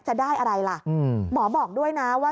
จะได้อะไรล่ะหมอบอกด้วยนะว่า